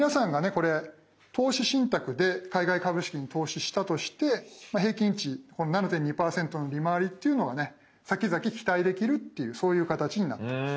これ投資信託で海外株式に投資したとして平均値７．２％の利回りっていうのがねさきざき期待できるっていうそういう形になります。